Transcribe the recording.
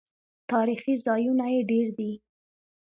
تاریخي ځایونه یې ډیر دي.